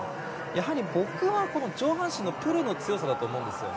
やはり僕は、上半身のプルの強さだと思うんです。